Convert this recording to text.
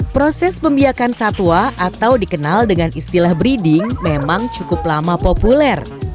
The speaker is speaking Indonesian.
proses pembiakan satwa atau dikenal dengan istilah breeding memang cukup lama populer